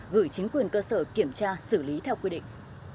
gửi chính quyền cơ sở kiểm tra xử lý theo quy định